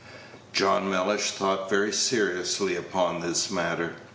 John Mellish thought very seriously upon this matter.